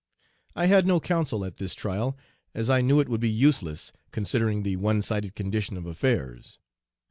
"I had no counsel at this trial, as I knew it would be useless, considering the one sided condition of affairs.